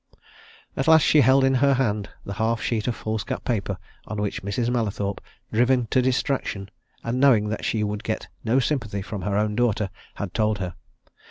At last she held in her hand the half sheet of foolscap paper of which Mrs. Mallathorpe, driven to distraction, and knowing that she would get no sympathy from her own daughter, had told her.